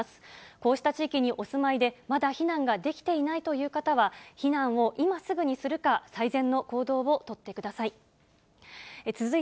こうした地域にお住まいで、まだ避難ができていないという方は、避難を今すぐにするか、最善の行動を取ってください。